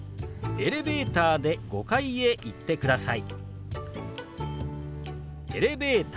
エレベーターで５階へ行ってください。